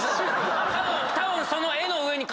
たぶん。